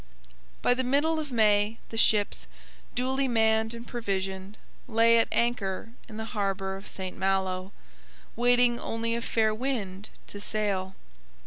By the middle of May the ships, duly manned and provisioned, lay at anchor in the harbour of St Malo, waiting only a fair wind to sail.